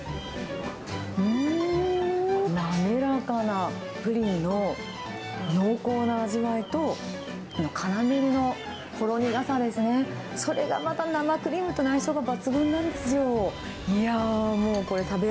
うーん、滑らかなプリンの濃厚な味わいと、カラメルのほろ苦さですね、それがまた生クリームとの相性が抜群なんですよ。